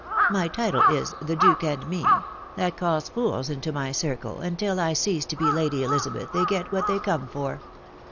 My title is the 'Duo ad me ' that calls fools into my circle, and till I cease to be Lady Elizabeth, they get what they come for.